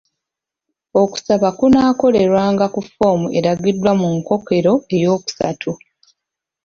Okusaba kunaakolerwanga ku foomu eragiddwa mu nkookero ey'okusatu.